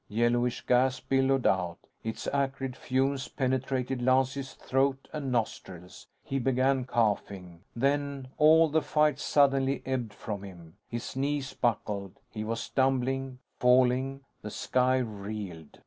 Yellowish gas billowed out. Its acrid fumes penetrated Lance's throat and nostrils. He began coughing. Then, all the fight suddenly ebbed from him. His knees buckled. He was stumbling, falling. The sky reeled.